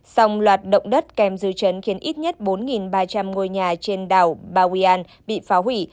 song loạt động đất kèm dư trấn khiến ít nhất bốn ba trăm linh ngôi nhà trên đảo bawean bị phá hủy